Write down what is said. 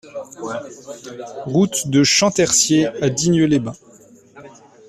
Route de Champtercier à Digne-les-Bains